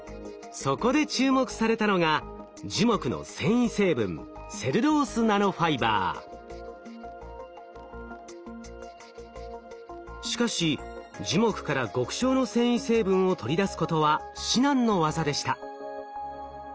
そこで注目されたのがしかし樹木から極小の繊維成分を取り出すことは至難の業でした。